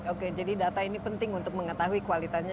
oke jadi data ini penting untuk mengetahui kualitasnya